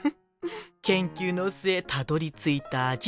研究の末たどりついた味